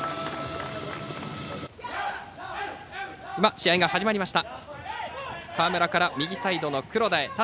試合が始まりました。